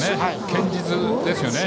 堅実ですよね。